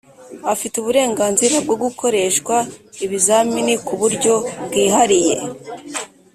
afite uburenganzira bwo gukoreshwa ibizamini ku buryo bwihariye.